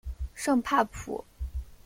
圣帕普。